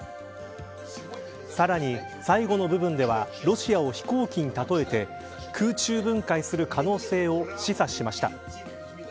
さらに、最後の部分ではロシアを飛行機に例えて空中分解する可能性を示唆しました。